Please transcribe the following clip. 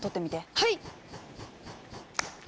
はい！